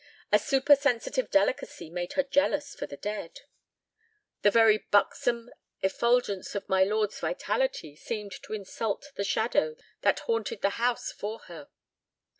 A supersensitive delicacy made her jealous for the dead. The very buxom effulgence of my lord's vitality seemed to insult the shadow that haunted the house for her.